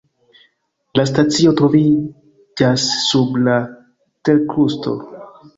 La stacio troviĝas sub la terkrusto.